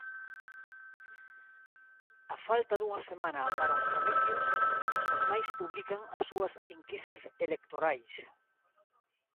A falta dunha semana para os comicios, os xornais publican as súas enquisas electorais.